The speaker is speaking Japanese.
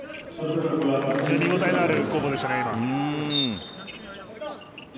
見応えのある攻防でしたね。